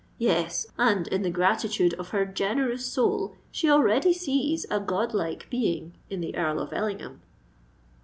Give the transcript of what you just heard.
Yes—and, in the gratitude of her generous soul, she already sees a god like being in the Earl of Ellingham."